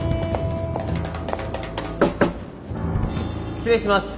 失礼します。